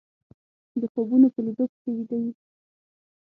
د خوبونو په ليدو پسې ويده يو